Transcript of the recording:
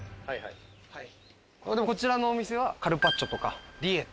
こちらのお店はカルパッチョとかリエット。